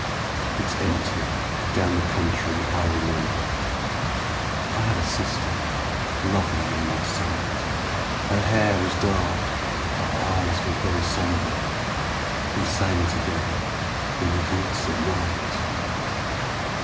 It's empty down the country I remember. I had a sister lovely in my sight: Her hair was dark, her eyes were very sombre; We sang together in the woods at night.